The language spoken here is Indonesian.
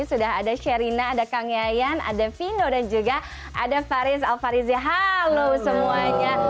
sudah ada sherina ada kang yayan ada vino dan juga ada faris alfarizi halo semuanya